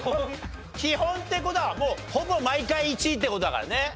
基本って事はもうほぼ毎回１位って事だからね。